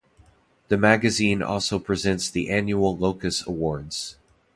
The magazine also presents the annual Locus Awards.